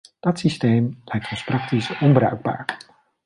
Dat systeem lijkt ons praktisch onbruikbaar.